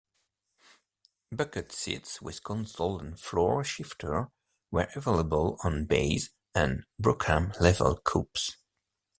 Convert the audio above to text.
Bucket seats with console and floor shifter were available on base- and Brougham-level coupes.